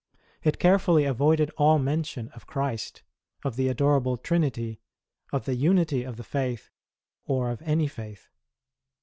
It carefully avoided all mention of Christ, of the Adorable Trinity, of the Unity of the Faith, or of any faith.